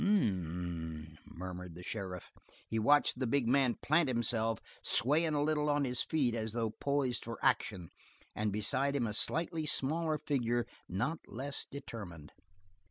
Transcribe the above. "H m m!" murmured the sheriff. He watched the big man plant himself, swaying a little on his feet as though poising for action, and beside him a slightly smaller figure not less determined.